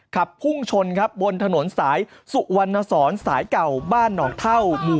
ขับพุ่งชนครับบนถนนสายสุวรรณสอนสายเก่าบ้านหนองเท่าหมู่